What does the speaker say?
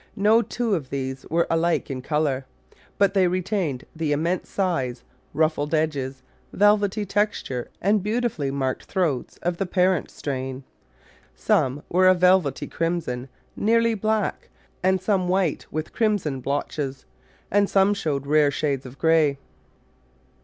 No two of these were alike in colour, but they retained the immense size, ruffled edges, vel vety texture and beautifully marked throats of the parent strain; some were a velvety crimson, nearly Digitized by Google 46 The Flower Garden [Chapter black, some white with crimson blotches, and some showed rare shades of grey.